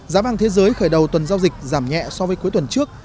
giá vàng thế giới khởi đầu tuần giao dịch giảm nhẹ so với cuối tuần trước